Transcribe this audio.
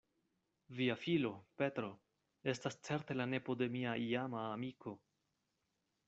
Via filo, Petro, estas certe la nepo de mia iama amiko.